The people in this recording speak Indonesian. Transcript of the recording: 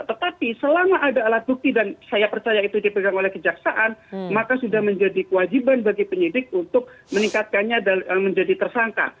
tetapi selama ada alat bukti dan saya percaya itu dipegang oleh kejaksaan maka sudah menjadi kewajiban bagi penyidik untuk meningkatkannya menjadi tersangka